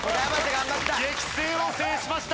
激戦を制しました！